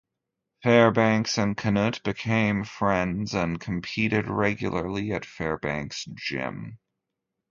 Fairbanks and Canutt became friends and competed regularly at Fairbanks' gym.